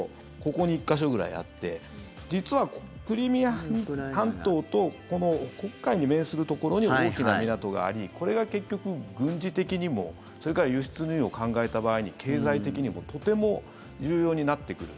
ここに１か所ぐらいあって実は、クリミア半島とこの黒海に面するところに大きな港がありこれが結局、軍事的にもそれから輸出入を考えた場合に経済的にもとても重要になってくる。